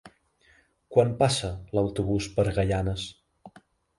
Quan passa l'autobús per Gaianes?